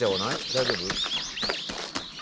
大丈夫？」